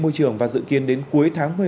môi trường và dự kiến đến cuối tháng một mươi